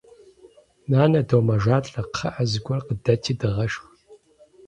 Нанэ, домэжалӏэ, кхъыӏэ, зыгуэр къыдэти дыгъэшх!